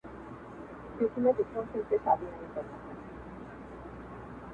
رخصتېږم تا پر خداى باندي سپارمه!.